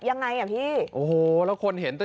ยังไงอ่ะพี่โอ้โหแล้วคนเห็นแต่